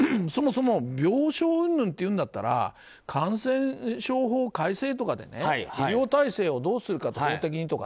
そもそも、病床うんぬんって言うんだったら感染症法改正とかで医療体制をどうするかとか。